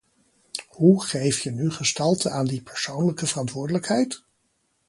Hoe geef je nu gestalte aan die persoonlijke verantwoordelijkheid?